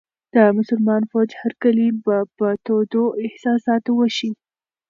د مسلمان فوج هرکلی به په تودو احساساتو وشي.